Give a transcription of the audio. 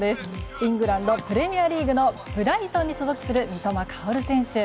イングランド、プレミアリーグのブライトンに所属する三笘薫選手。